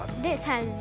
３０。